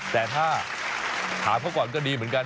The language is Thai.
แต่ถ้าถามเขาก่อนก็ดีเหมือนกัน